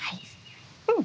うん。